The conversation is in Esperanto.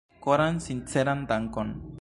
Koran sinceran dankon!